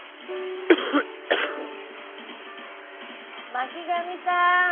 巻上さん。